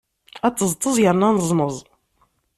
Aṭeẓṭeẓ yerna aneẓneẓ.